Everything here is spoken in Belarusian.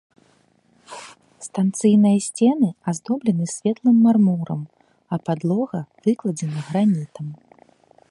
Станцыйныя сцены аздоблены светлым мармурам, а падлога выкладзена гранітам.